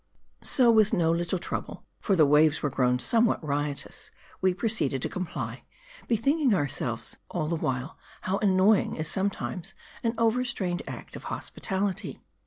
Sof with no little trouble for the waves were grown somewhat riotous we proceeded to comply ; bethinking ourselves all the while, how annoying is sometimes an> over strained act of hospitality.